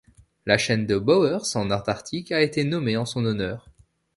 La chaîne de Bowers en Antarctique a été nommée en son honneur.